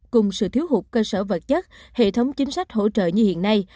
cùng sự thiếu hụt cơ sở vật chất hệ thống chính sách hỗ trợ như hiện nay